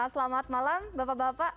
selamat malam bapak bapak